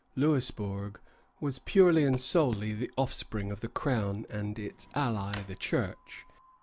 Louisbourg was purely and solely the offspring of the Crown and its ally, the Church.